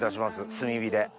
炭火で。